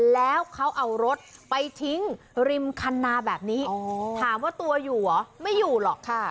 แล้วเขาเอารถไปทิ้งริมคันนาแบบนี้ถามว่าตัวอยู่เหรอไม่อยู่หรอกค่ะ